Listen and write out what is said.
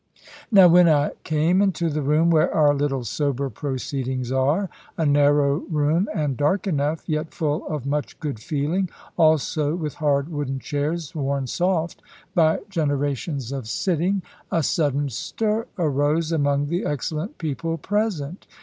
Now when I came into the room, where our little sober proceedings are a narrow room, and dark enough, yet full of much good feeling, also with hard wooden chairs worn soft by generations of sitting a sudden stir arose among the excellent people present.